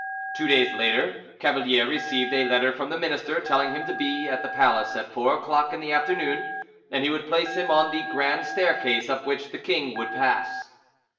Two days later, Cavalier received a letter from the minister telling him to be at the palace at four o'clock in the afternoon, and he would place him on the grand staircase, up which the king would pass.